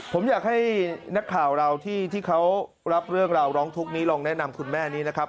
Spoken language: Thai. ผมอยากให้นักข่าวเราที่เขารับเรื่องราวร้องทุกข์นี้ลองแนะนำคุณแม่นี้นะครับ